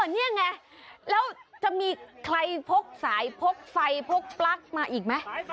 นี่ไงแล้วจะมีใครพกสายพกไฟพกปลั๊กมาอีกไหม